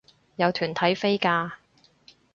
有團體飛價